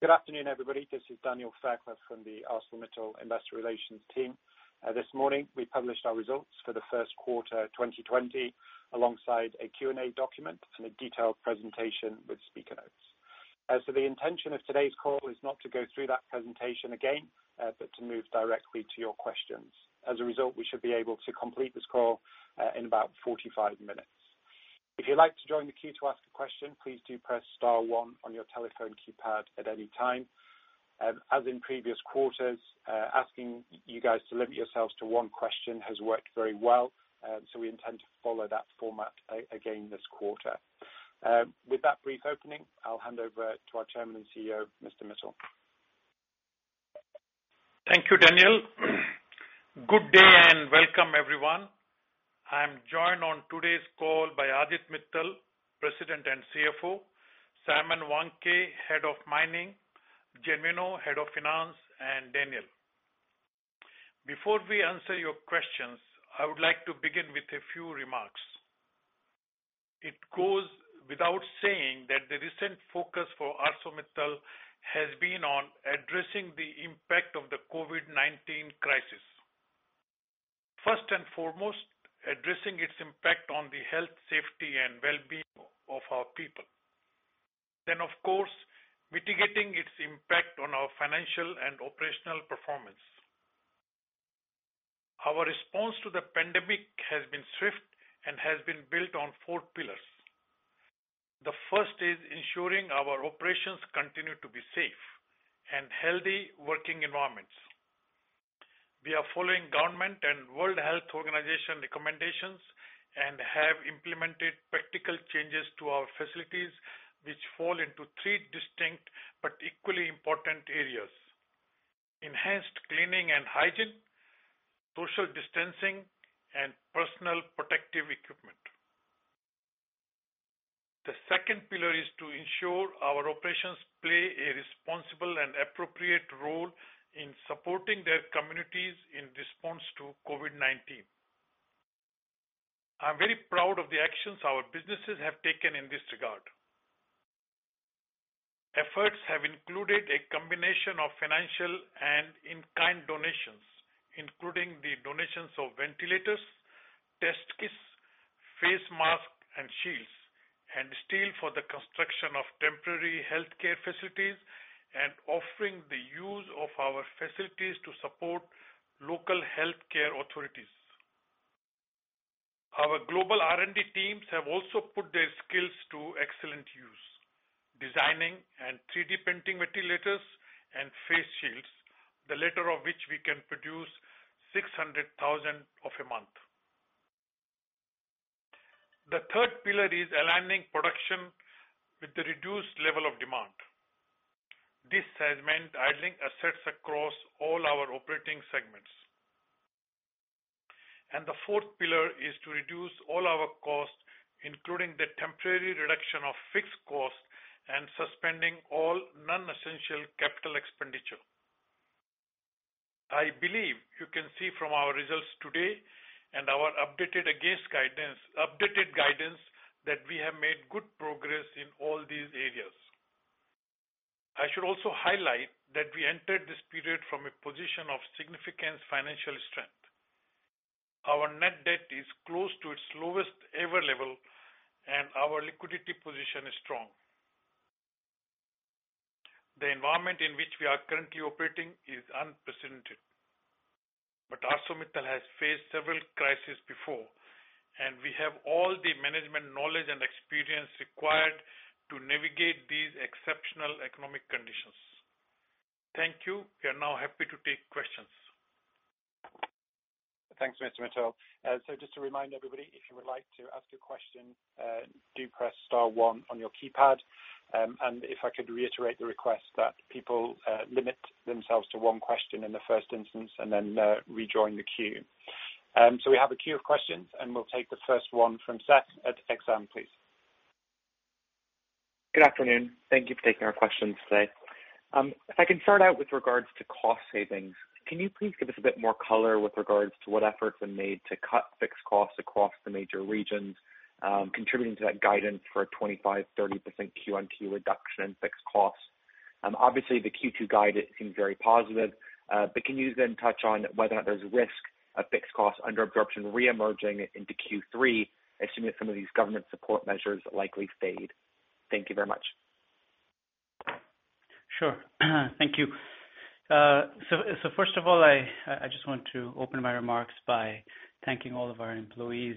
Good afternoon, everybody. This is Daniel Fairclough from the ArcelorMittal Investor Relations team. This morning, we published our results for the first quarter 2020 alongside a Q&A document and a detailed presentation with speaker notes. The intention of today's call is not to go through that presentation again, but to move directly to your questions. As a result, we should be able to complete this call in about 45 minutes. If you'd like to join the queue to ask a question, please do press star one on your telephone keypad at any time. As in previous quarters, asking you guys to limit yourselves to one question has worked very well, so we intend to follow that format again this quarter. With that brief opening, I'll hand over to our Chairman and CEO, Mr. Mittal. Thank you, Daniel. Good day and welcome everyone. I'm joined on today's call by Aditya Mittal, President and CFO, Simon Wandke, Head of Mining, Genuino, Head of Finance, and Daniel. Before we answer your questions, I would like to begin with a few remarks. It goes without saying that the recent focus for ArcelorMittal has been on addressing the impact of the COVID-19 crisis. First and foremost, addressing its impact on the health, safety, and wellbeing of our people. Then of course, mitigating its impact on our financial and operational performance. Our response to the pandemic has been swift and has been built on four pillars. The first is ensuring our operations continue to be safe and healthy working environments. We are following government and World Health Organization recommendations and have implemented practical changes to our facilities, which fall into three distinct but equally important areas: enhanced cleaning and hygiene, social distancing, and personal protective equipment. The second pillar is to ensure our operations play a responsible and appropriate role in supporting their communities in response to COVID-19. I'm very proud of the actions our businesses have taken in this regard. Efforts have included a combination of financial and in-kind donations, including the donations of ventilators, test kits, face masks and shields, and steel for the construction of temporary healthcare facilities, and offering the use of our facilities to support local healthcare authorities. Our global R&D teams have also put their skills to excellent use. Designing and 3D printing ventilators and face shields, the latter of which we can produce 600,000 of a month. The third pillar is aligning production with the reduced level of demand. This has meant idling assets across all our operating segments. The fourth pillar is to reduce all our costs, including the temporary reduction of fixed costs and suspending all non-essential CapEx. I believe you can see from our results today and our updated guidance, that we have made good progress in all these areas. I should also highlight that we entered this period from a position of significant financial strength. Our net debt is close to its lowest-ever level, and our liquidity position is strong. The environment in which we are currently operating is unprecedented. ArcelorMittal has faced several crises before, and we have all the management knowledge and experience required to navigate these exceptional economic conditions. Thank you. We are now happy to take questions. Thanks, Mr. Mittal. Just to remind everybody, if you would like to ask a question, do press star one on your keypad. If I could reiterate the request that people limit themselves to one question in the first instance and then rejoin the queue. We have a queue of questions, and we'll take the first one from Seth at Exane, please. Good afternoon. Thank you for taking our questions today. If I can start out with regards to cost savings, can you please give us a bit more color with regards to what efforts were made to cut fixed costs across the major regions, contributing to that guidance for a 25%, 30% Q-on-Q reduction in fixed costs? Obviously, the Q2 guide, it seems very positive. Can you then touch on whether or not there's risk of fixed costs under absorption re-emerging into Q3, assuming some of these government support measures likely fade? Thank you very much. Sure. Thank you. First of all, I just want to open my remarks by thanking all of our employees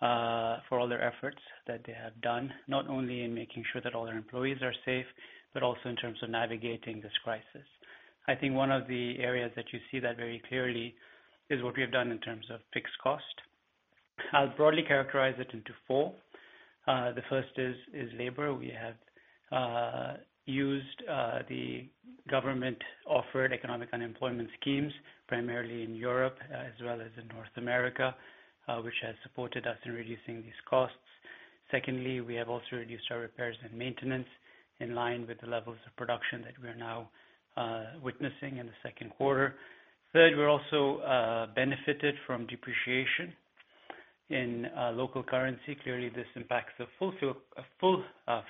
for all their efforts that they have done, not only in making sure that all our employees are safe, but also in terms of navigating this crisis. I think one of the areas that you see that very clearly is what we have done in terms of fixed cost. I'll broadly characterize it into four. The first is labor. We have used the government-offered economic unemployment schemes, primarily in Europe as well as in North America, which has supported us in reducing these costs. Secondly, we have also reduced our repairs and maintenance in line with the levels of production that we're now witnessing in the second quarter. Third, we also benefited from depreciation. In local currency, clearly this impacts the full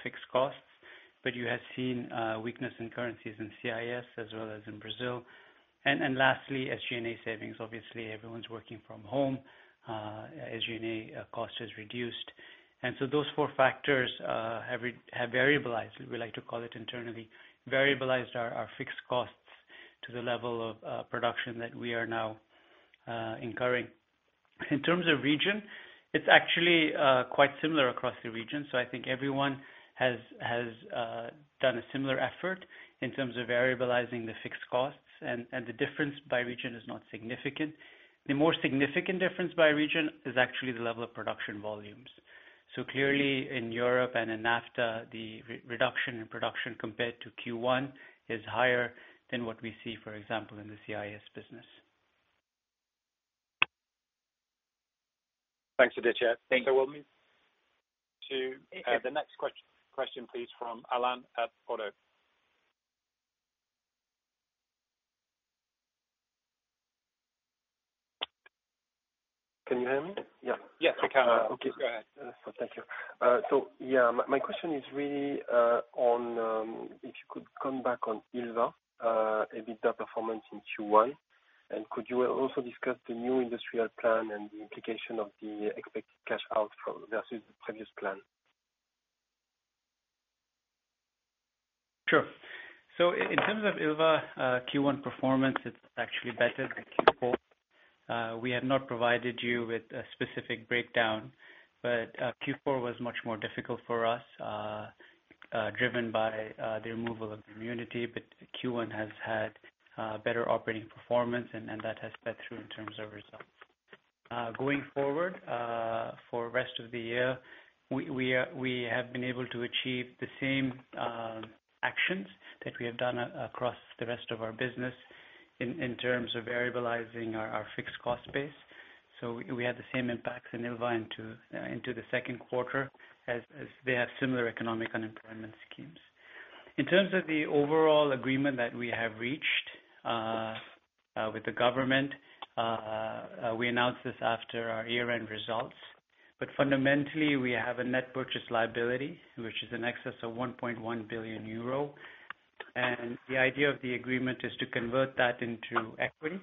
fixed costs, you have seen weakness in currencies in CIS as well as in Brazil. Lastly, SG&A savings. Obviously, everyone is working from home, SG&A cost has reduced. Those four factors have variabilized, we like to call it internally, variabilized our fixed costs to the level of production that we are now incurring. In terms of region, it is actually quite similar across the region. I think everyone has done a similar effort in terms of variabilizing the fixed costs, the difference by region is not significant. The more significant difference by region is actually the level of production volumes. Clearly in Europe and in NAFTA, the reduction in production compared to Q1 is higher than what we see, for example, in the CIS business. Thanks, Aditya. Thank you. We'll move to the next question, please, from [Alan] at ODDO. Can you hear me? Yeah. Yes, we can. Okay. Go ahead. Thank you. Yeah, my question is really on, if you could come back on Ilva, EBITDA performance in Q1, and could you also discuss the new industrial plan and the implication of the expected cash out versus the previous plan? Sure. In terms of Ilva Q1 performance, it's actually better than Q4. We have not provided you with a specific breakdown. Q4 was much more difficult for us, driven by the removal of immunity. Q1 has had better operating performance, and that has fed through in terms of results. Going forward, for rest of the year, we have been able to achieve the same actions that we have done across the rest of our business in terms of variabilizing our fixed cost base. We had the same impacts in Ilva into the second quarter as they have similar economic unemployment schemes. In terms of the overall agreement that we have reached with the government, we announced this after our year-end results. Fundamentally, we have a net purchase liability, which is in excess of 1.1 billion euro. The idea of the agreement is to convert that into equity.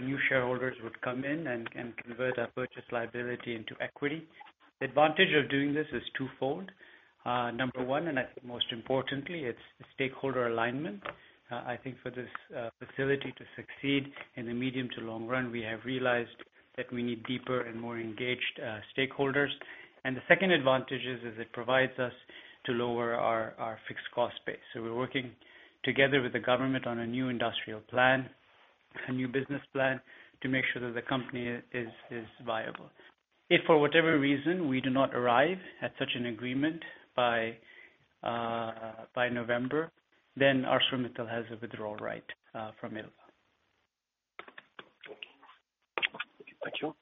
New shareholders would come in and convert our purchase liability into equity. The advantage of doing this is twofold. Number one, and I think most importantly, it's stakeholder alignment. I think for this facility to succeed in the medium to long run, we have realized that we need deeper and more engaged stakeholders. The second advantage is it provides us to lower our fixed cost base. We are working together with the government on a new industrial plan, a new business plan to make sure that the company is viable. If for whatever reason we do not arrive at such an agreement by November, then ArcelorMittal has a withdrawal right from Ilva. Okay. Thank you.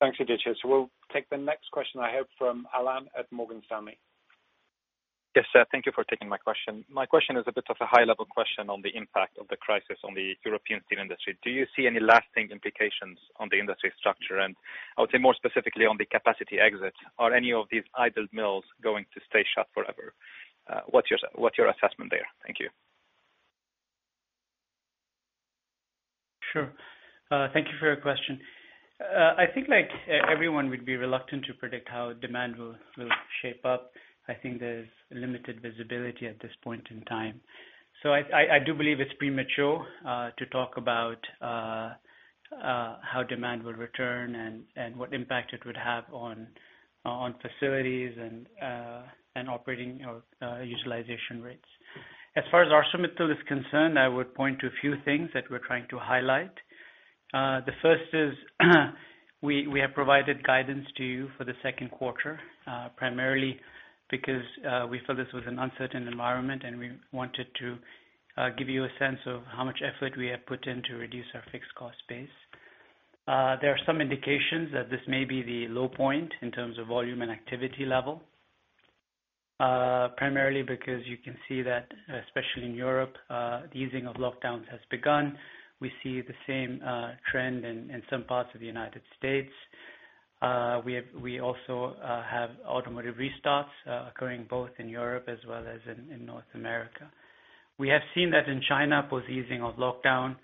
Thanks, Aditya. We'll take the next question I have from Alain at Morgan Stanley. Yes, sir, thank you for taking my question. My question is a bit of a high level question on the impact of the crisis on the European steel industry. Do you see any lasting implications on the industry structure? I would say more specifically on the capacity exit. Are any of these idled mills going to stay shut forever? What's your assessment there? Thank you. Sure. Thank you for your question. I think like everyone, we'd be reluctant to predict how demand will shape up. I think there's limited visibility at this point in time. I do believe it's premature to talk about how demand will return and what impact it would have on facilities and operating utilization rates. As far as ArcelorMittal is concerned, I would point to a few things that we are trying to highlight. The first is we have provided guidance to you for the second quarter, primarily because we feel this was an uncertain environment and we wanted to give you a sense of how much effort we have put in to reduce our fixed cost base. There are some indications that this may be the low point in terms of volume and activity level, primarily because you can see that, especially in Europe, the easing of lockdowns has begun. We see the same trend in some parts of the U.S. We also have automotive restarts occurring both in Europe as well as in North America. We have seen that in China, post easing of lockdown,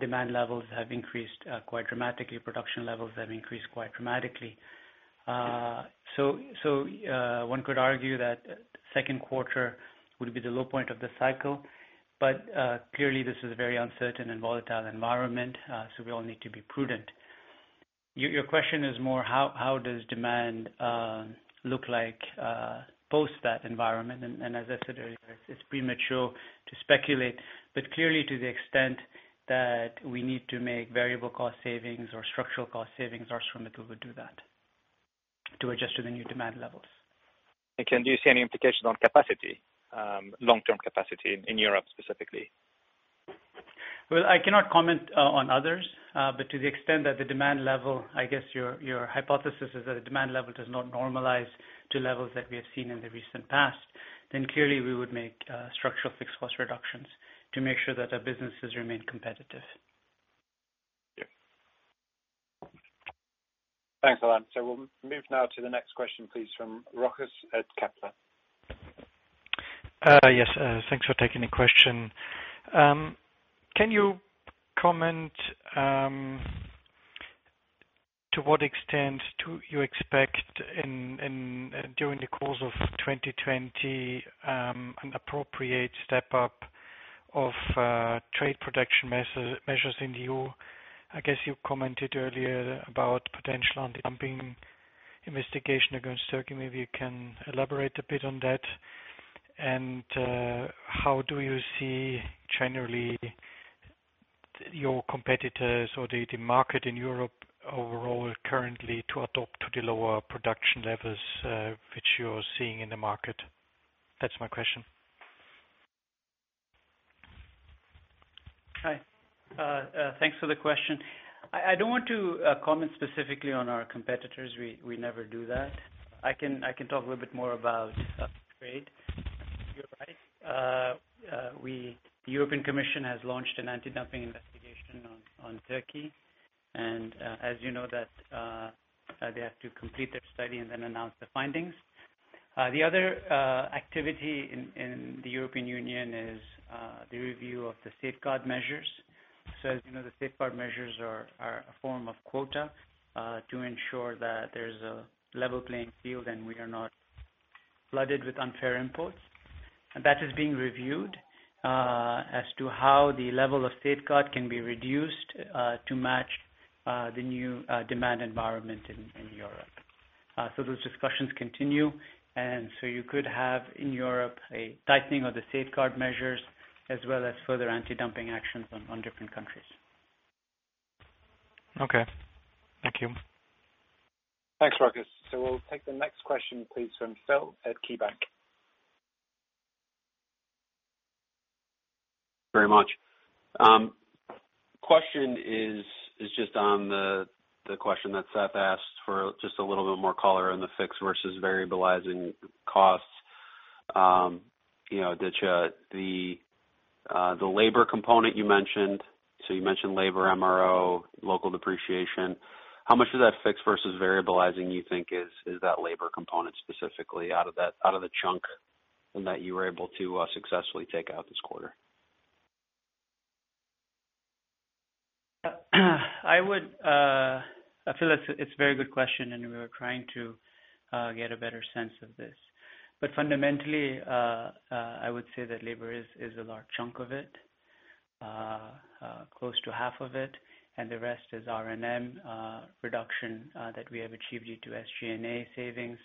demand levels have increased quite dramatically. Production levels have increased quite dramatically. One could argue that second quarter would be the low point of the cycle. Clearly this is a very uncertain and volatile environment, we all need to be prudent. Your question is more how does demand look like post that environment? As I said earlier, it's premature to speculate, but clearly to the extent that we need to make variable cost savings or structural cost savings, ArcelorMittal would do that to adjust to the new demand levels. Can you see any implication on capacity, long-term capacity in Europe specifically? I cannot comment on others. To the extent that the demand level, I guess your hypothesis is that the demand level does not normalize to levels that we have seen in the recent past, clearly we would make structural fixed cost reductions to make sure that our businesses remain competitive. Yeah. Thanks, Alain. We'll move now to the next question, please, from Rochus at Kepler. Yes. Thanks for taking the question. Can you comment to what extent you expect, during the course of 2020, an appropriate step up of trade protection measures in the E.U.? I guess you commented earlier about potential anti-dumping investigation against Turkey, maybe you can elaborate a bit on that. How do you see, generally, your competitors or the market in Europe overall currently to adopt to the lower production levels, which you're seeing in the market? That's my question. Hi, thanks for the question. I don't want to comment specifically on our competitors. We never do that. I can talk a little bit more about trade. You're right. The European Commission has launched an anti-dumping investigation on Turkey. As you know, they have to complete their study and then announce the findings. The other activity in the European Union is the review of the safeguard measures. As you know, the safeguard measures are a form of quota, to ensure that there's a level playing field, and we are not flooded with unfair imports. That is being reviewed as to how the level of safeguard can be reduced to match the new demand environment in Europe. Those discussions continue. You could have in Europe a tightening of the safeguard measures as well as further anti-dumping actions on different countries. Okay. Thank you. Thanks, Rochus. We'll take the next question, please, from Phil at KeyBanc. Very much. Question is just on the question that Seth asked for just a little bit more color on the fixed versus variabilizing costs. The labor component you mentioned, so you mentioned labor MRO, local depreciation. How much of that fixed versus variabilizing you think is that labor component specifically out of the chunk, and that you were able to successfully take out this quarter? I feel it's a very good question and we were trying to get a better sense of this. Fundamentally, I would say that labor is a large chunk of it, close to half of it, and the rest is R&M reduction that we have achieved due to SG&A savings,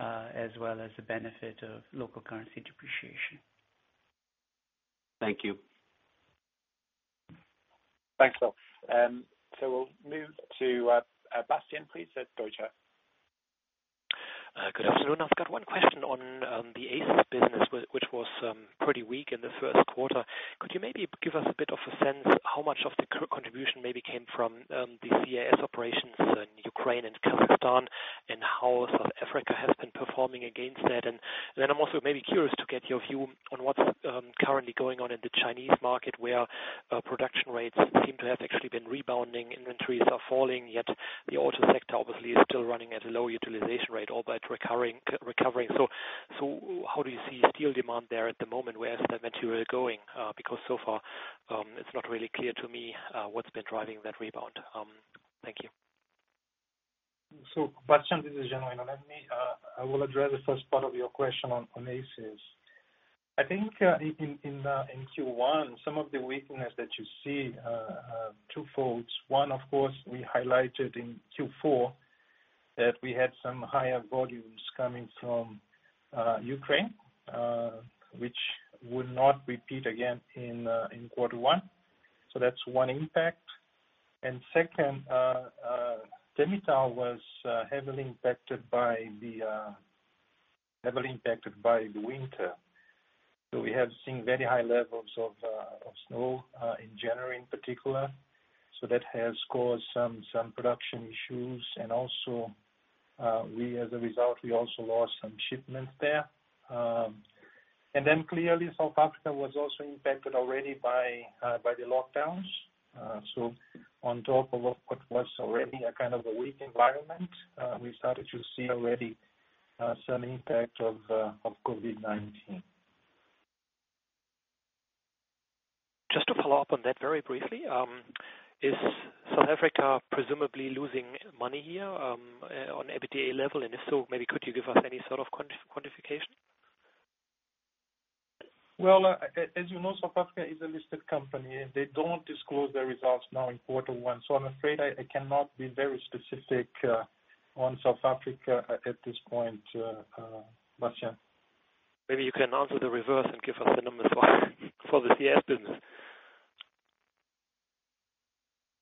as well as the benefit of local currency depreciation. Thank you. Thanks, Phil. We'll move to Bastian, please, at Deutsche. Good afternoon. I've got one question on the ACIS business, which was pretty weak in the first quarter. Could you maybe give us a bit of a sense how much of the contribution maybe came from the CIS operations in Ukraine and Kazakhstan, and how South Africa has been performing against that? I'm also maybe curious to get your view on what's currently going on in the Chinese market, where production rates seem to have actually been rebounding. Inventories are falling, yet the auto sector obviously is still running at a low utilization rate, albeit recovering. How do you see steel demand there at the moment? Where is that material going? So far, it's not really clear to me, what's been driving that rebound. Thank you. Bastian, this is Genuino. I will address the first part of your question on ACIS. I think in Q1, some of the weakness that you see, are twofolds. One, of course, we highlighted in Q4 that we had some higher volumes coming from Ukraine, which would not repeat again in quarter one. That's one impact. Second, Temirtau was heavily impacted by the winter. We have seen very high levels of snow in January in particular. That has caused some production issues and as a result, we also lost some shipments there. Clearly South Africa was also impacted already by the lockdowns. On top of what was already a kind of a weak environment, we started to see already some impact of COVID-19. Just to follow up on that very briefly. Is South Africa presumably losing money here, on EBITDA level? If so, maybe could you give us any sort of quantification? As you know, South Africa is a listed company. They don't disclose their results now in quarter one. I'm afraid I cannot be very specific on South Africa at this point, Bastian. Maybe you can answer the reverse and give us a number for the CIS business.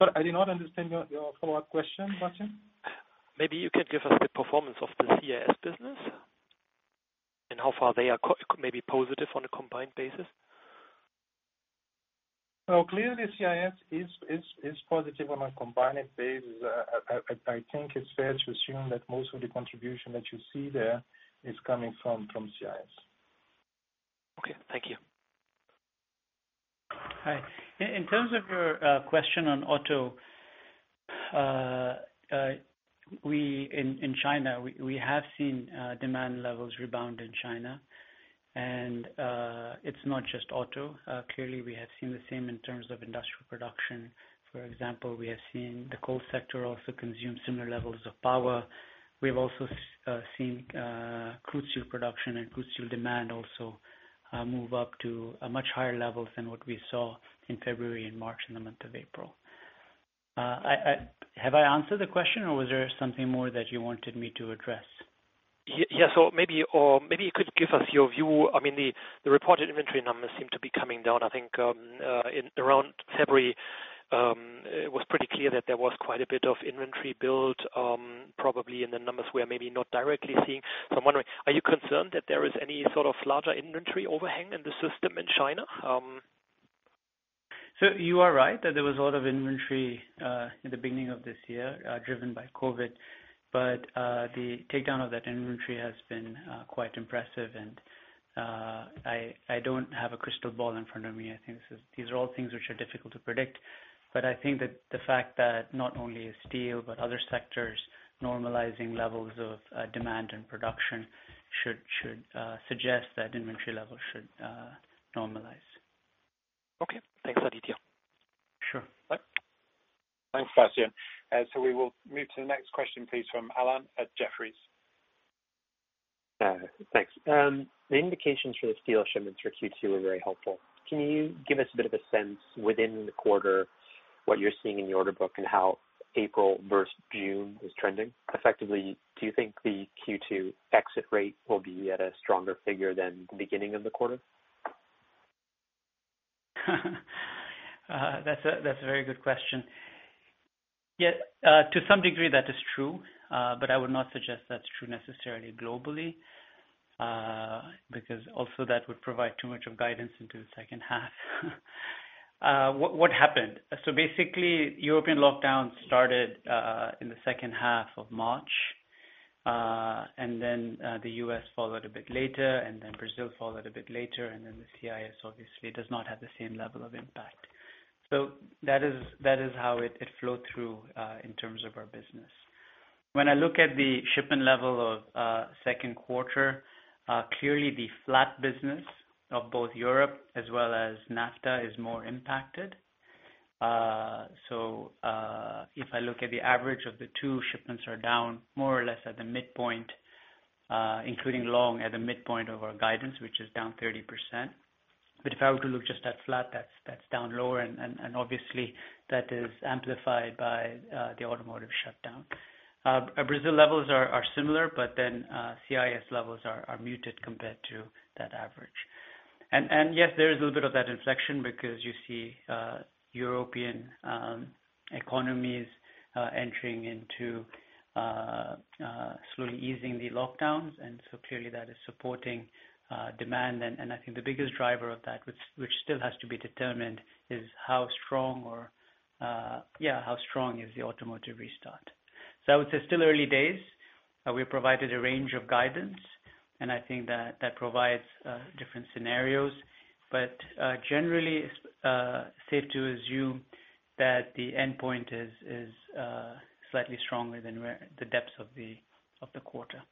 Sorry, I did not understand your follow-up question, Bastian. Maybe you can give us the performance of the CIS business and how far they are maybe positive on a combined basis? Clearly, CIS is positive on a combined basis. I think it's fair to assume that most of the contribution that you see there is coming from CIS. Okay. Thank you. Hi. In terms of your question on auto, in China, we have seen demand levels rebound in China, and it's not just auto. Clearly, we have seen the same in terms of industrial production. For example, we have seen the coal sector also consume similar levels of power. We've also seen crude steel production and crude steel demand also move up to much higher levels than what we saw in February and March and the month of April. Have I answered the question, or was there something more that you wanted me to address? Yeah. Maybe you could give us your view. The reported inventory numbers seem to be coming down. I think, around February, it was pretty clear that there was quite a bit of inventory build, probably in the numbers we are maybe not directly seeing. I'm wondering, are you concerned that there is any sort of larger inventory overhang in the system in China? You are right that there was a lot of inventory, in the beginning of this year, driven by COVID. The takedown of that inventory has been quite impressive and I don't have a crystal ball in front of me. I think these are all things which are difficult to predict. I think that the fact that not only is steel, but other sectors normalizing levels of demand and production should suggest that inventory levels should normalize. Okay. Thanks, Aditya. Sure. Bye. Thanks, Bastian. We will move to the next question, please, from Alan at Jefferies. Thanks. The indications for the steel shipments for Q2 were very helpful. Can you give us a bit of a sense within the quarter, what you're seeing in the order book and how April versus June is trending? Effectively, do you think the Q2 exit rate will be at a stronger figure than the beginning of the quarter? That's a very good question. Yeah. To some degree that is true, but I would not suggest that's true necessarily globally, because also that would provide too much of guidance into the second half. What happened? Basically, European lockdown started in the second half of March. The U.S. followed a bit later, and Brazil followed a bit later, and the CIS obviously does not have the same level of impact. That is how it flowed through, in terms of our business. When I look at the shipment level of second quarter, clearly the flat business of both Europe as well as NAFTA is more impacted. If I look at the average of the two shipments are down more or less at the midpoint, including long at the midpoint of our guidance, which is down 30%. If I were to look just at flat, that's down lower and obviously that is amplified by the automotive shutdown. Brazil levels are similar, but then CIS levels are muted compared to that average. Yes, there is a little bit of that inflection because you see European economies entering into slowly easing the lockdowns, clearly that is supporting demand. I think the biggest driver of that, which still has to be determined, is how strong is the automotive restart. I would say still early days. We provided a range of guidance, and I think that provides different scenarios. Generally, it's safe to assume that the endpoint is slightly stronger than the depths of the quarter.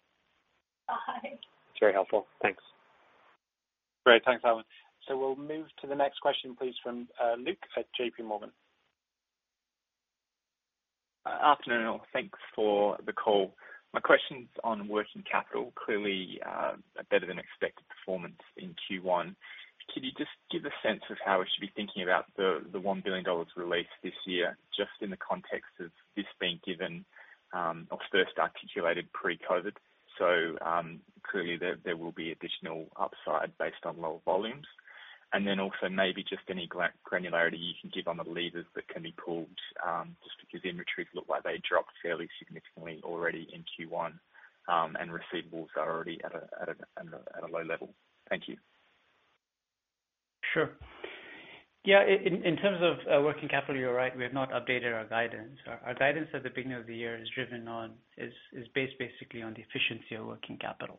It's very helpful. Thanks. Great. Thanks, Alan. We'll move to the next question, please, from Luke at JPMorgan. Afternoon, all. Thanks for the call. My question's on working capital. Clearly, a better than expected performance in Q1. Could you give a sense of how we should be thinking about the EUR 1 billion release this year, just in the context of this being given, or first articulated pre-COVID-19? Clearly there will be additional upside based on lower volumes. Also maybe just any granularity you can give on the levers that can be pulled, just because inventories look like they dropped fairly significantly already in Q1, and receivables are already at a low level. Thank you. Sure. Yeah, in terms of working capital, you are right, we have not updated our guidance. Our guidance at the beginning of the year is based basically on the efficiency of working capital.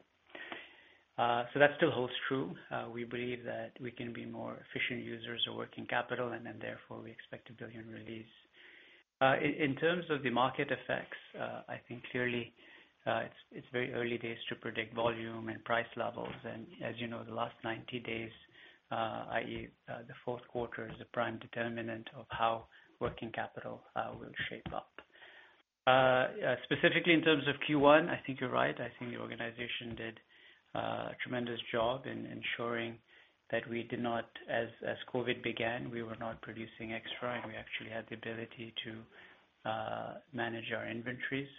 That still holds true. We believe that we can be more efficient users of working capital, and then therefore, we expect a 1 billion release. In terms of the market effects, I think clearly, it is very early days to predict volume and price levels. As you know, the last 90 days, i.e., the fourth quarter, is a prime determinant of how working capital will shape up. Specifically in terms of Q1, I think you are right. I think the organization did a tremendous job in ensuring that as COVID-19 began, we were not producing extra, and we actually had the ability to manage our inventories.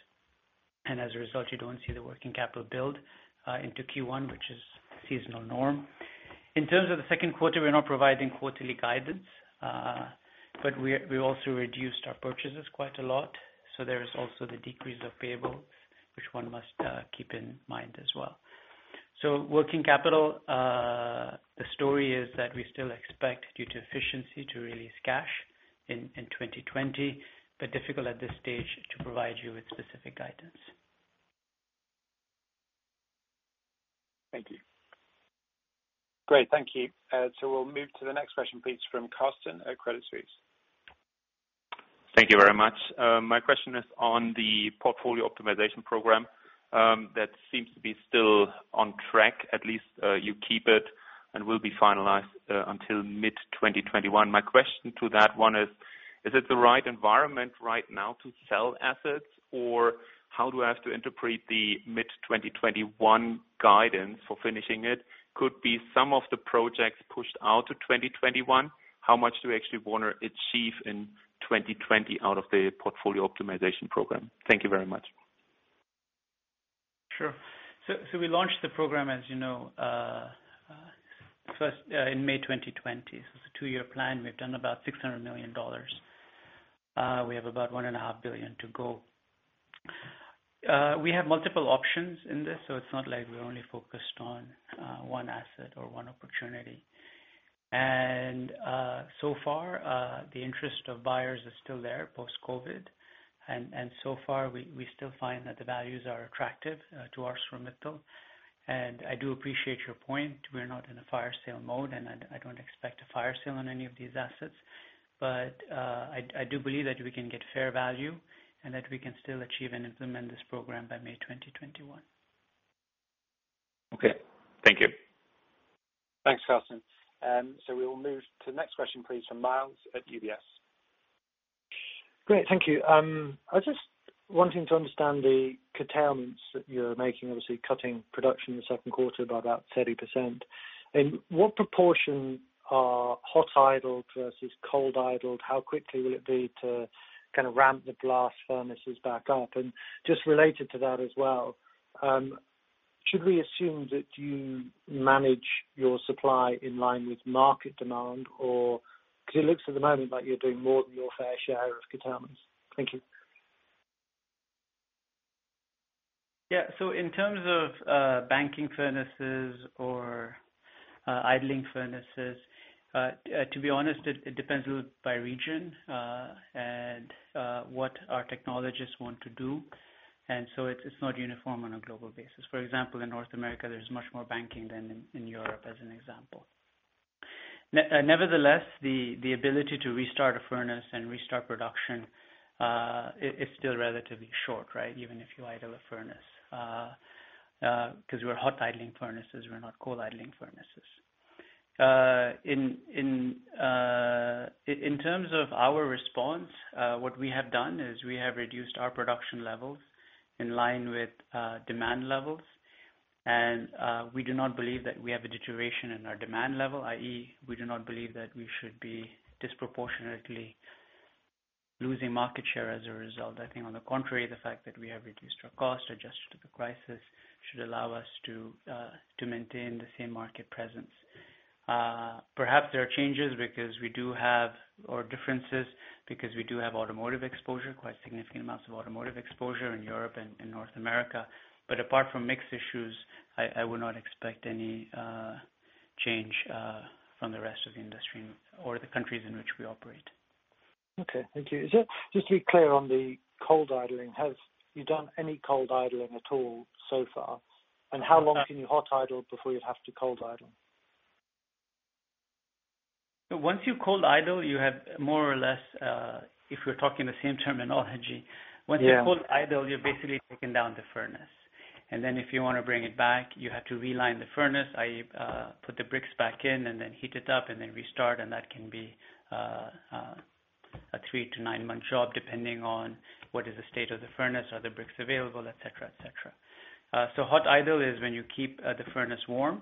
As a result, you don't see the working capital build into Q1, which is seasonal norm. In terms of the second quarter, we're not providing quarterly guidance, but we also reduced our purchases quite a lot. There is also the decrease of payables, which one must keep in mind as well. Working capital, the story is that we still expect, due to efficiency, to release cash in 2020, but difficult at this stage to provide you with specific guidance. Thank you. Great, thank you. We'll move to the next question, please, from Carsten at Credit Suisse. Thank you very much. My question is on the portfolio optimization program. That seems to be still on track. At least you keep it and will be finalized until mid-2021. My question to that one is it the right environment right now to sell assets? How do I have to interpret the mid-2021 guidance for finishing it? Could be some of the projects pushed out to 2021. How much do we actually want to achieve in 2020 out of the portfolio optimization program? Thank you very much. Sure. We launched the program, as you know, first in May 2020. It's a two-year plan. We've done about EUR 600 million. We have about 1.5 billion to go. We have multiple options in this. It's not like we're only focused on one asset or one opportunity. So far, the interest of buyers is still there post-COVID-19. So far, we still find that the values are attractive to ArcelorMittal, and I do appreciate your point. We are not in a fire sale mode, and I don't expect a fire sale on any of these assets. I do believe that we can get fair value and that we can still achieve and implement this program by May 2021. Okay. Thank you. Thanks, Carsten. We will move to the next question, please, from Myles at UBS. Great. Thank you. I was just wanting to understand the curtailments that you're making, obviously cutting production in the second quarter by about 30%. What proportion are hot idled versus cold idled? How quickly will it be to ramp the blast furnaces back up? Just related to that as well, should we assume that you manage your supply in line with market demand, or because it looks at the moment like you're doing more than your fair share of curtailments? Thank you. Yeah. In terms of banking furnaces or idling furnaces, to be honest, it depends by region, and what our technologists want to do. It's not uniform on a global basis. For example, in North America, there's much more banking than in Europe, as an example. Nevertheless, the ability to restart a furnace and restart production, it's still relatively short, right? Even if you idle a furnace, because we're hot idling furnaces, we're not cold idling furnaces. In terms of our response, what we have done is we have reduced our production levels in line with demand levels. We do not believe that we have a deterioration in our demand level, i.e., we do not believe that we should be disproportionately losing market share as a result. I think on the contrary, the fact that we have reduced our cost adjusted to the crisis should allow us to maintain the same market presence. Perhaps there are changes because we do have, or differences because we do have automotive exposure, quite significant amounts of automotive exposure in Europe and in North America. Apart from mix issues, I would not expect any change from the rest of the industry or the countries in which we operate. Okay. Thank you. Just to be clear on the cold idling, have you done any cold idling at all so far? How long can you hot idle before you'd have to cold idle? Once you cold idle, you have more or less, if we're talking the same terminology- Yeah -once you cold idle, you're basically taking down the furnace. If you want to bring it back, you have to realign the furnace, i.e., put the bricks back in, then heat it up, then restart, and that can be a 3-9 month job, depending on what is the state of the furnace, are the bricks available, et cetera. Hot idle is when you keep the furnace warm,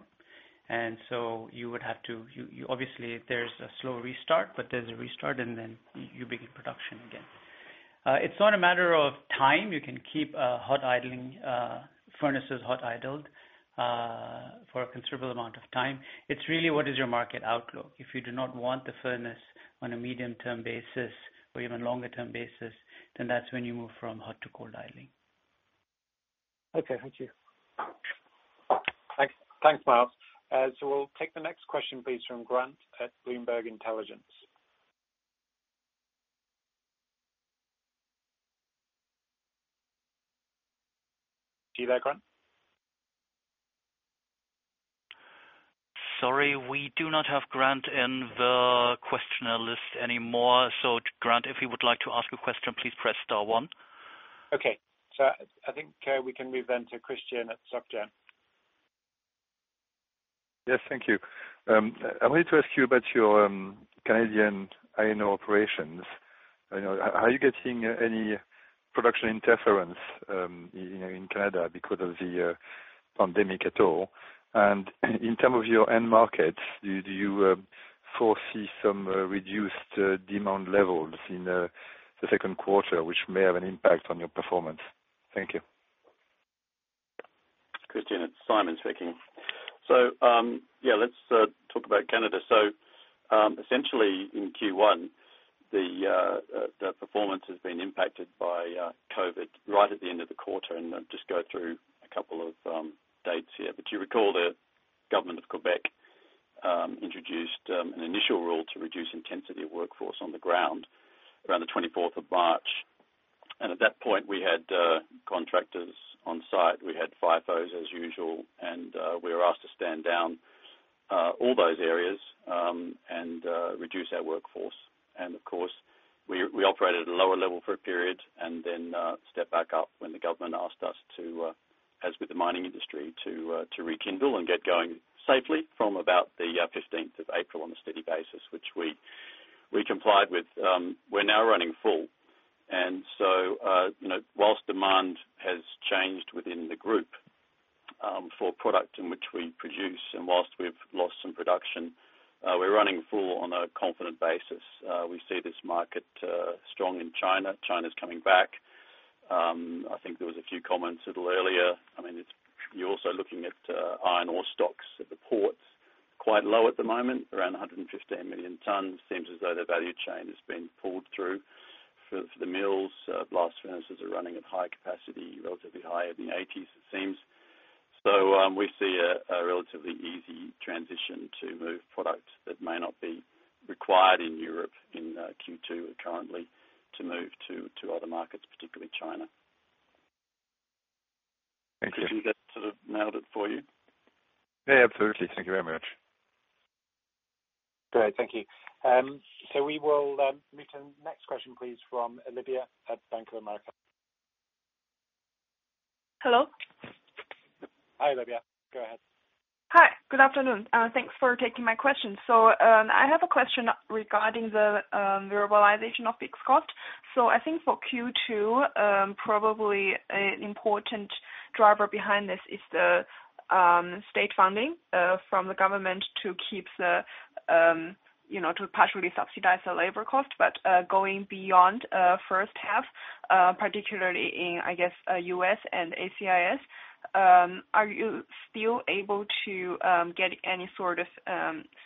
you would have to, obviously, there's a slow restart, there's a restart, then you begin production again. It's not a matter of time. You can keep furnaces hot idled for a considerable amount of time. It's really, what is your market outlook? If you do not want the furnace on a medium-term basis or even longer-term basis, that's when you move from hot to cold idling. Okay. Thank you. Thanks. Thanks, Myles. We'll take the next question, please, from Grant at Bloomberg Intelligence. Are you there, Grant? Sorry, we do not have Grant in the question list anymore. Grant, if you would like to ask a question, please press star one. Okay. I think we can move then to Christian at SocGen. Yes, thank you. I wanted to ask you about your Canadian iron operations. Are you getting any production interference in Canada because of the pandemic at all? In term of your end markets, do you foresee some reduced demand levels in the second quarter, which may have an impact on your performance? Thank you. Christian, it's Simon speaking. Let's talk about Canada. Essentially in Q1, the performance has been impacted by COVID right at the end of the quarter. I'll just go through a couple of dates here. You recall the government of Quebec introduced an initial rule to reduce intensity of workforce on the ground around the 24th of March. At that point, we had contractors on site. We had FIFOs as usual, and we were asked to stand down all those areas, and reduce our workforce. Of course, we operated at a lower level for a period and then stepped back up when the government asked us to, as with the mining industry, to rekindle and get going safely from about the 15th of April on a steady basis, which we complied with. We're now running full. Whilst demand has changed within the group for product in which we produce, and whilst we've lost some production, we're running full on a confident basis. We see this market strong in China. China's coming back. I think there was a few comments a little earlier. You're also looking at iron ore stocks at the ports, quite low at the moment, around 115 million tons. Seems as though their value chain has been pulled through for the mills. Blast furnaces are running at high capacity, relatively higher than the eighties it seems. We see a relatively easy transition to move product that may not be required in Europe in Q2 currently to move to other markets, particularly China. Thank you. Christian, did that sort of nailed it for you? Yeah, absolutely. Thank you very much. Great. Thank you. We will move to the next question, please, from Olivia at Bank of America. Hello? Hi, Olivia. Go ahead. Hi. Good afternoon. Thanks for taking my question. I have a question regarding the variableization of fixed cost. I think for Q2, probably an important driver behind this is the state funding from the government to partially subsidize the labor cost. Going beyond first half, particularly in, I guess, U.S. and ACIS, are you still able to get any sort of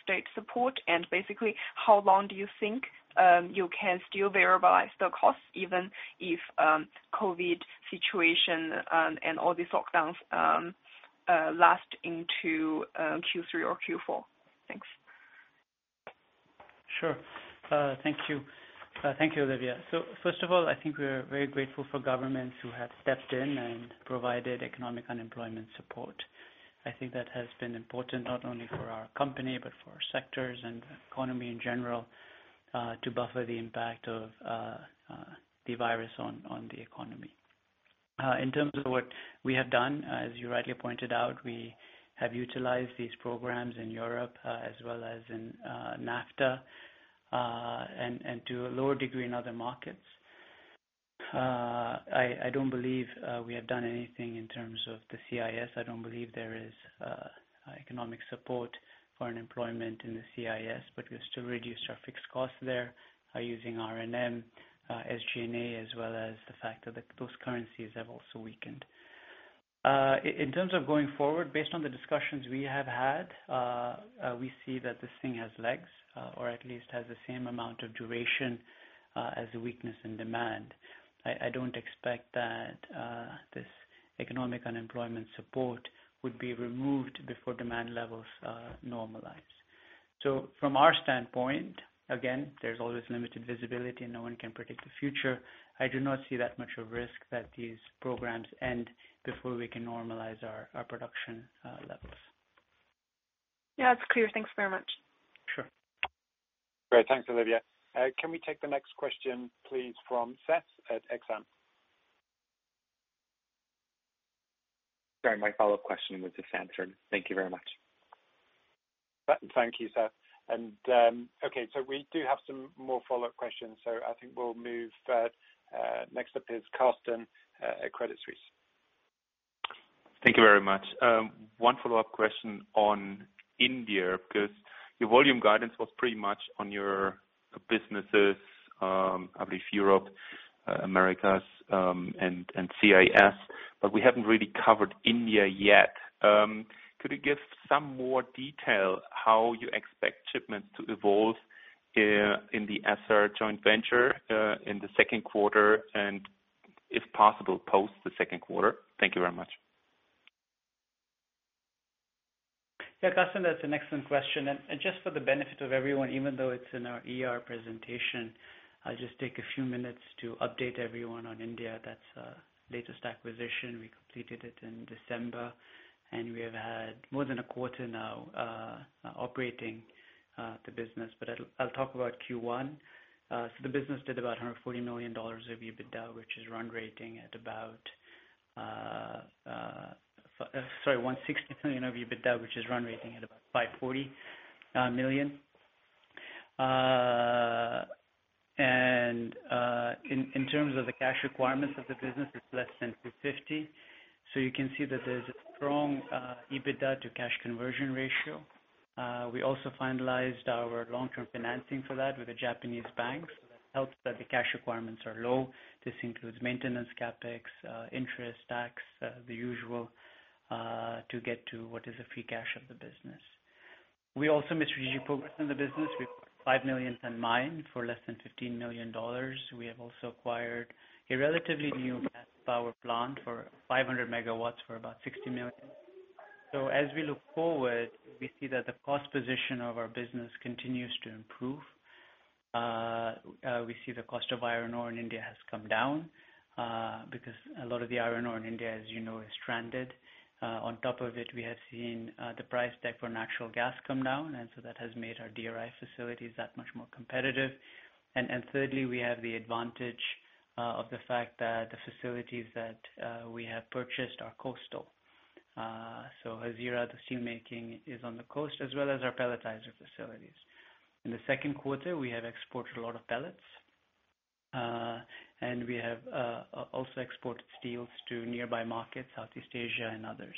state support? Basically, how long do you think you can still variableize the cost even if COVID-19 situation and all these lockdowns last into Q3 or Q4? Thanks. Sure. Thank you. Thank you, Olivia. First of all, I think we're very grateful for governments who have stepped in and provided economic unemployment support. I think that has been important not only for our company, but for our sectors and the economy in general, to buffer the impact of the virus on the economy. In terms of what we have done, as you rightly pointed out, we have utilized these programs in Europe as well as in NAFTA, and to a lower degree in other markets. I don't believe we have done anything in terms of the CIS. I don't believe there is economic support for unemployment in the CIS, but we've still reduced our fixed costs there by using R&M, SG&A, as well as the fact that those currencies have also weakened. In terms of going forward, based on the discussions we have had, we see that this thing has legs, or at least has the same amount of duration as a weakness in demand. I don't expect that this economic unemployment support would be removed before demand levels normalize. From our standpoint, again, there's always limited visibility and no one can predict the future. I do not see that much of risk that these programs end before we can normalize our production levels. Yeah, that's clear. Thanks very much. Sure. Great. Thanks, Olivia. Can we take the next question, please, from Seth at Exane? Sorry, my follow-up question was just answered. Thank you very much. Thank you, Seth. Okay, so we do have some more follow-up questions. I think we'll move. Next up is Carsten at Credit Suisse. Thank you very much. One follow-up question on India, because your volume guidance was pretty much on your businesses, I believe Europe, Americas, and CIS, but we haven't really covered India yet. Could you give some more detail how you expect shipments to evolve in the Essar joint venture, in the second quarter, and if possible, post the second quarter? Thank you very much. Yeah, Carsten, that's an excellent question. Just for the benefit of everyone, even though it's in our ER presentation, I'll just take a few minutes to update everyone on India. That's the latest acquisition. We completed it in December, and we have had more than a quarter now operating the business, but I'll talk about Q1. The business did about $160 million of EBITDA, which is run rating at about $540 million. In terms of the cash requirements of the business, it's less than $250. You can see that there's a strong EBITDA to cash conversion ratio. We also finalized our long-term financing for that with a Japanese bank, so that helps that the cash requirements are low. This includes maintenance, CapEx, interest, tax, the usual, to get to what is the free cash of the business. We also made strategic progress in the business. We bought 5 million ton mine for less than EUR 15 million. We have also acquired a relatively new gas power plant for 500 MW for about 60 million. As we look forward, we see that the cost position of our business continues to improve. We see the cost of iron ore in India has come down, because a lot of the iron ore in India, as you know, is stranded. On top of it, we have seen the price deck for natural gas come down, that has made our DRI facilities that much more competitive. Thirdly, we have the advantage of the fact that the facilities that we have purchased are coastal. Hazira, the steel making, is on the coast, as well as our pelletizer facilities. In the second quarter, we have exported a lot of pellets. We have also exported steels to nearby markets, Southeast Asia and others.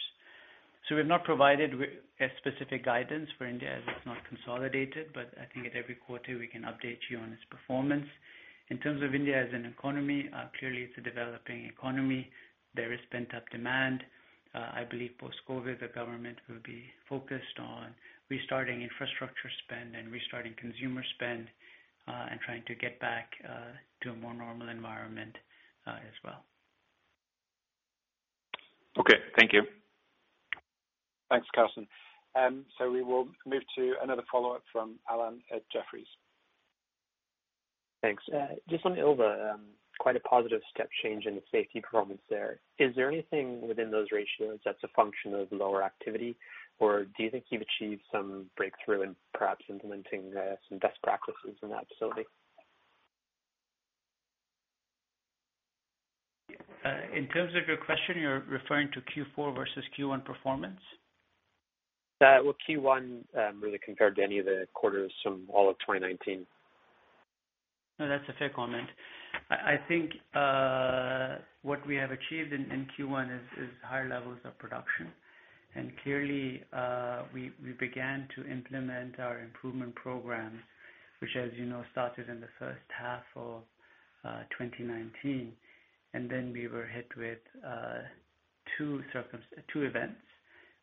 We have not provided a specific guidance for India as it's not consolidated. I think at every quarter we can update you on its performance. In terms of India as an economy, clearly it's a developing economy. There is pent-up demand. I believe post-COVID, the government will be focused on restarting infrastructure spend and restarting consumer spend, and trying to get back to a more normal environment as well. Okay. Thank you. Thanks, Carsten. We will move to another follow-up from Alan at Jefferies. Thanks. Just on Ilva, quite a positive step change in the safety performance there. Is there anything within those ratios that's a function of lower activity, or do you think you've achieved some breakthrough in perhaps implementing some best practices in that facility? In terms of your question, you're referring to Q4 versus Q1 performance? Well, Q1, really compared to any of the quarters from all of 2019. No, that's a fair comment. I think what we have achieved in Q1 is higher levels of production. Clearly, we began to implement our improvement program, which, as you know, started in the first half of 2019. We were hit with two events.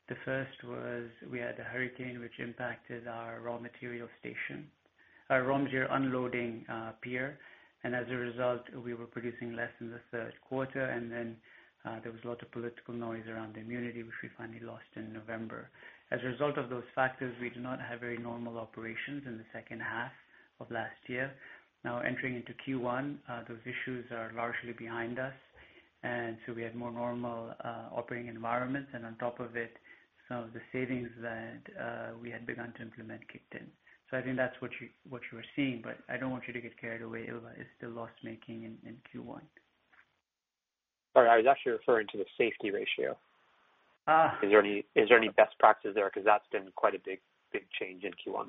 The first was we had a hurricane which impacted our raw material station, our raw material unloading pier. As a result, we were producing less in the third quarter. There was a lot of political noise around immunity, which we finally lost in November. As a result of those factors, we did not have very normal operations in the second half of last year. Now entering into Q1, those issues are largely behind us, and so we had more normal operating environments. On top of it, some of the savings that we had begun to implement kicked in. I think that's what you are seeing, but I don't want you to get carried away. Ilva is still loss-making in Q1. Sorry, I was actually referring to the safety ratio. Is there any best practices there? That's been quite a big change in Q1.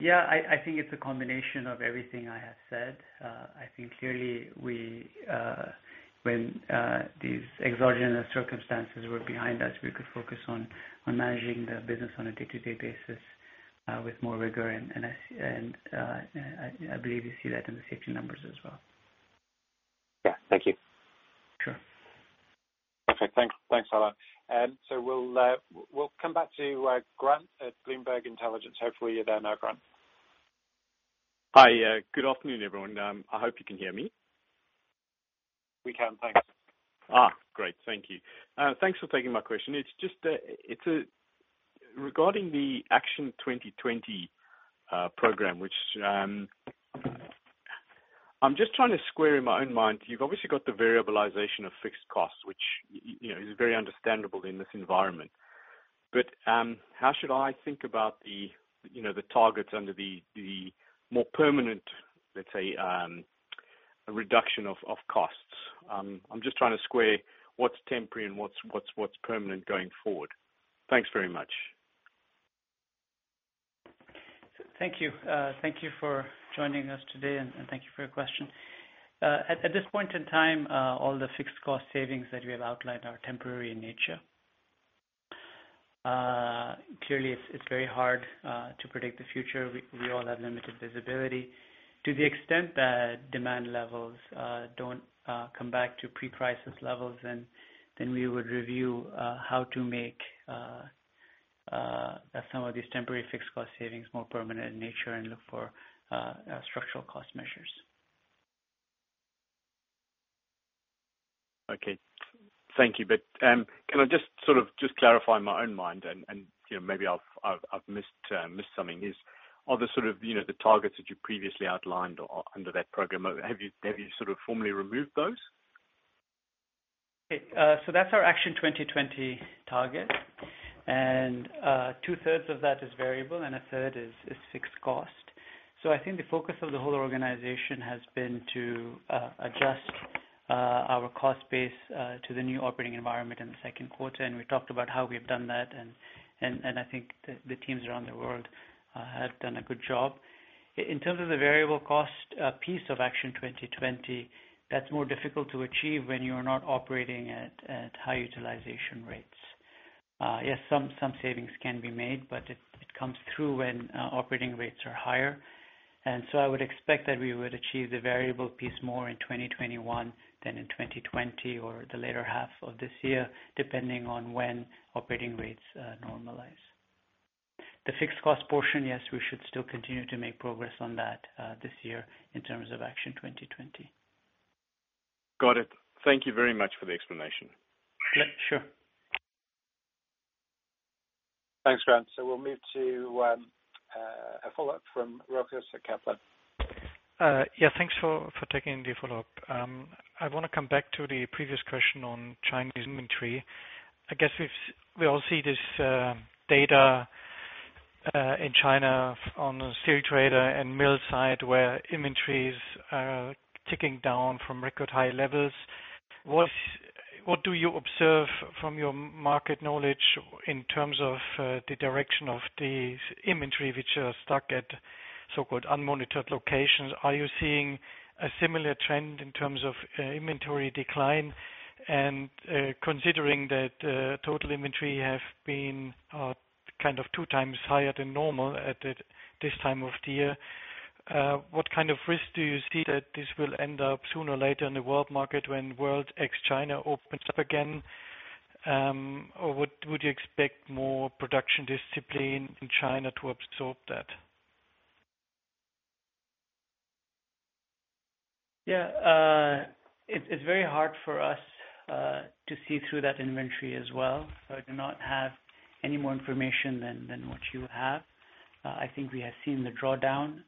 Yeah, I think it's a combination of everything I have said. I think clearly when these exogenous circumstances were behind us, we could focus on managing the business on a day-to-day basis with more rigor, and I believe you see that in the safety numbers as well. Yeah. Thank you. Sure. Perfect. Thanks, Alan. We'll come back to Grant at Bloomberg Intelligence. Hopefully you're there now, Grant. Hi. Good afternoon, everyone. I hope you can hear me. We can. Thanks. Great. Thank you. Thanks for taking my question. Regarding the Action 2020 program, which I'm just trying to square in my own mind, you've obviously got the variabilization of fixed costs, which is very understandable in this environment. How should I think about the targets under the more permanent, let's say, reduction of costs? I'm just trying to square what's temporary and what's permanent going forward. Thanks very much. Thank you. Thank you for joining us today, and thank you for your question. At this point in time, all the fixed cost savings that we have outlined are temporary in nature. Clearly, it's very hard to predict the future. We all have limited visibility. To the extent that demand levels don't come back to pre-crisis levels, we would review how to make some of these temporary fixed cost savings more permanent in nature and look for structural cost measures. Okay. Thank you. Can I just clarify in my own mind and maybe I've missed something, is all the targets that you previously outlined under that program, have you formally removed those? That's our Action 2020 target, and two-thirds of that is variable, and a third is fixed cost. I think the focus of the whole organization has been to adjust our cost base to the new operating environment in the second quarter, and we talked about how we've done that and I think the teams around the world have done a good job. In terms of the variable cost piece of Action 2020, that's more difficult to achieve when you are not operating at high utilization rates. Yes, some savings can be made, but it comes through when operating rates are higher. I would expect that we would achieve the variable piece more in 2021 than in 2020 or the latter half of this year, depending on when operating rates normalize. The fixed cost portion, yes, we should still continue to make progress on that this year in terms of Action 2020. Got it. Thank you very much for the explanation. Yeah, sure. Thanks, Grant. We'll move to a follow-up from Rochus at Kepler. Thanks for taking the follow-up. I want to come back to the previous question on Chinese inventory. I guess we all see this data in China on the steel trader and mill side, where inventories are ticking down from record high levels. What do you observe from your market knowledge in terms of the direction of the inventory which are stuck at so-called unmonitored locations? Are you seeing a similar trend in terms of inventory decline? Considering that total inventory have been 2 times higher than normal at this time of the year, what kind of risk do you see that this will end up sooner or later in the world market when world ex China opens up again? Would you expect more production discipline in China to absorb that? Yeah. It's very hard for us to see through that inventory as well. I do not have any more information than what you have. I think we have seen the drawdown.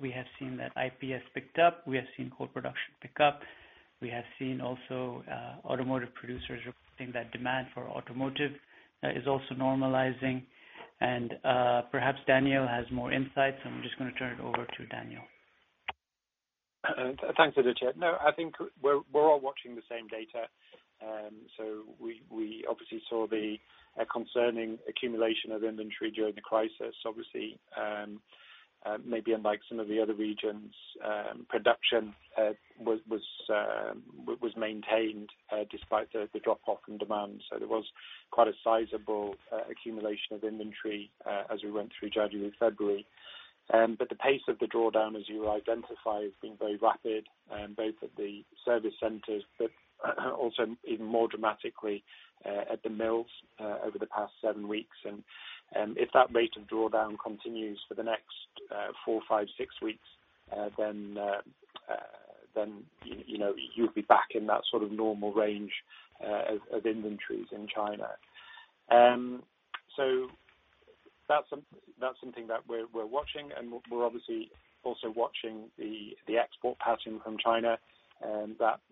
We have seen that IPS picked up. We have seen coal production pick up. We have seen also automotive producers reporting that demand for automotive is also normalizing. Perhaps Daniel has more insights, so I'm just going to turn it over to Daniel. Thanks, Aditya. No, I think we're all watching the same data. We obviously saw the concerning accumulation of inventory during the crisis, obviously. Maybe unlike some of the other regions, production was maintained despite the drop-off in demand. There was quite a sizable accumulation of inventory as we went through January, February. The pace of the drawdown, as you identify, has been very rapid, both at the service centers, but also even more dramatically at the mills over the past seven weeks. If that rate of drawdown continues for the next four, five, six weeks, then you'd be back in that sort of normal range of inventories in China. That's something that we're watching, and we're obviously also watching the export pattern from China.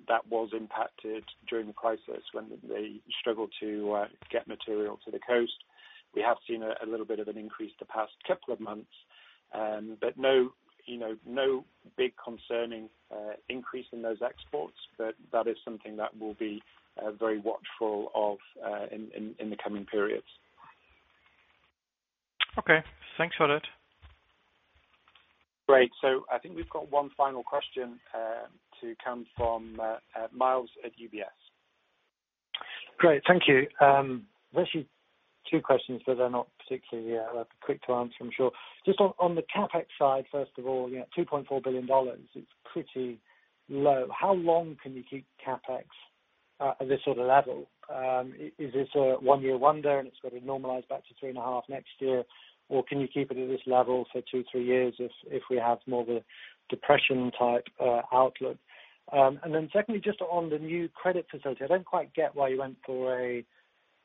That was impacted during the crisis when they struggled to get material to the coast. We have seen a little bit of an increase the past couple of months, but no big concerning increase in those exports. That is something that we'll be very watchful of in the coming periods. Okay, thanks a lot. Great. I think we've got one final question to come from Myles at UBS. Great. Thank you. There's actually two questions, but they're not particularly quick to answer, I'm sure. Just on the CapEx side, first of all, $2.4 billion, it's pretty low. How long can you keep CapEx at this sort of level? Is this a one-year wonder, and it's going to normalize back to 3.5 next year? Or can you keep it at this level for two, three years if we have more of a depression-type outlook? Secondly, just on the new credit facility, I don't quite get why you went for a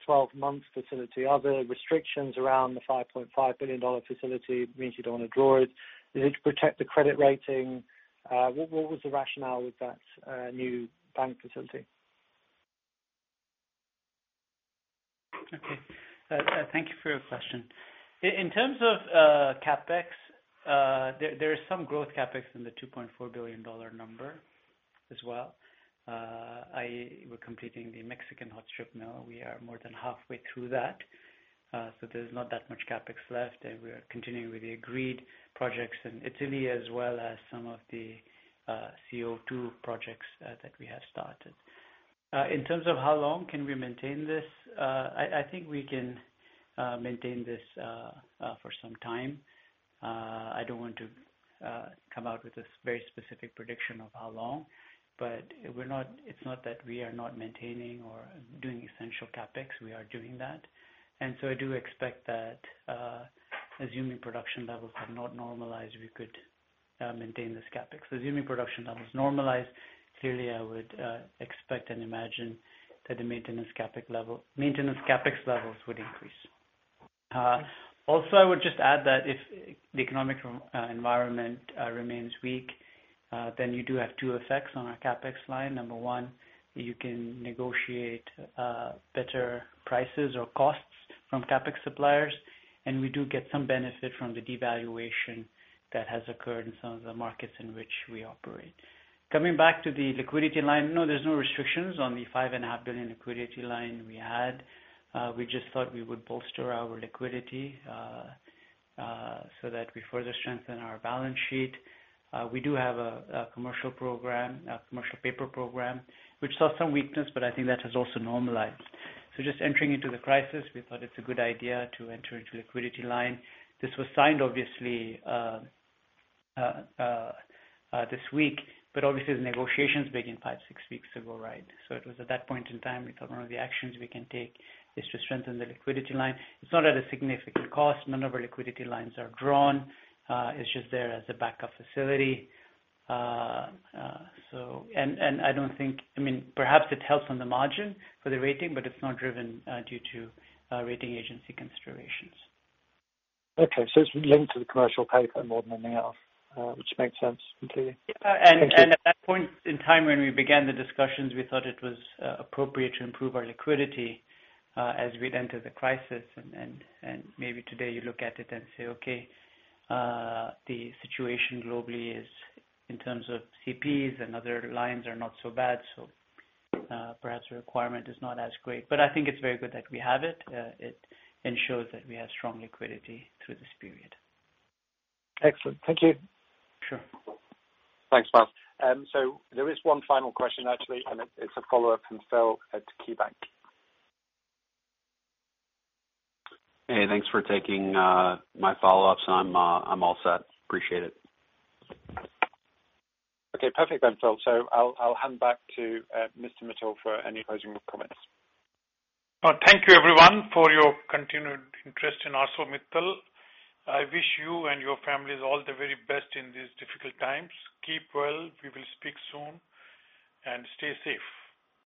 12-month facility. Are there restrictions around the $5.5 billion facility, means you don't want to draw it? Is it to protect the credit rating? What was the rationale with that new bank facility? Okay. Thank you for your question. In terms of CapEx, there is some growth CapEx in the $2.4 billion number as well. We're completing the Mexican hot strip mill. We are more than halfway through that. There's not that much CapEx left, and we are continuing with the agreed projects in Italy, as well as some of the CO2 projects that we have started. In terms of how long can we maintain this, I think we can maintain this for some time. I don't want to come out with a very specific prediction of how long, but it's not that we are not maintaining or doing essential CapEx. We are doing that. I do expect that assuming production levels have not normalized, we could maintain this CapEx. Assuming production levels normalize, clearly, I would expect and imagine that the maintenance CapEx levels would increase. Also, I would just add that if the economic environment remains weak, then you do have two effects on our CapEx line. Number one, you can negotiate better prices or costs from CapEx suppliers. We do get some benefit from the devaluation that has occurred in some of the markets in which we operate. Coming back to the liquidity line, no, there's no restrictions on the $5.5 billion liquidity line we had. We just thought we would bolster our liquidity, that we further strengthen our balance sheet. We do have a commercial paper program, which saw some weakness, I think that has also normalized. Just entering into the crisis, we thought it's a good idea to enter into a liquidity line. This was signed obviously, this week, obviously the negotiations began five, six weeks ago, right? It was at that point in time, we thought one of the actions we can take is to strengthen the liquidity line. It is not at a significant cost. None of our liquidity lines are drawn. It is just there as a backup facility. Perhaps it helps on the margin for the rating, but it is not driven due to rating agency considerations. Okay. It's linked to the commercial paper more than anything else, which makes sense completely. Thank you. Yeah. At that point in time when we began the discussions, we thought it was appropriate to improve our liquidity, as we'd entered the crisis. Maybe today you look at it and say, okay, the situation globally is, in terms of CPs and other lines, are not so bad. Perhaps the requirement is not as great. I think it's very good that we have it. It ensures that we have strong liquidity through this period. Excellent. Thank you. Sure. Thanks, Myles. There is one final question actually, and it's a follow-up from Phil at KeyBanc. Hey, thanks for taking my follow-ups, and I'm all set. Appreciate it. Okay. Perfect then, Phil. I'll hand back to Mr. Mittal for any closing comments. Well, thank you everyone for your continued interest in ArcelorMittal. I wish you and your families all the very best in these difficult times. Keep well. We will speak soon. Stay safe.